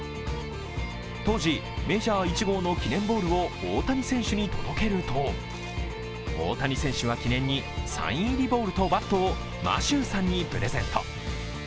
当時、メジャー１号の記念ボールを大谷選手に届けると大谷選手は記念に、さいん入りボールとバットをマシューさんにプレゼント。